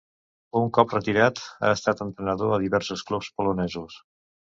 Un cop retirat ha estat entrenador a diversos clubs polonesos.